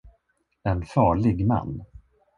En farlig man.